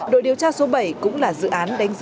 đội điều tra số bảy cũng là dự án đối với các nền tảng ott